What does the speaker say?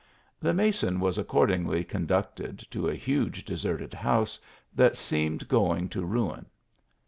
The mason was accordingly conducted to a huge deserted house that seemed going to ruin.